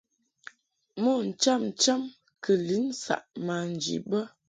Mo ncham cham kɨ lin saʼ manji bə.